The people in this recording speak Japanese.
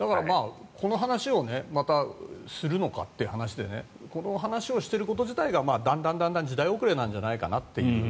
この話をまたするのかという話でこの話をしていること自体がだんだん時代遅れなんじゃないかなという。